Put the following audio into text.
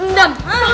ini kita lihat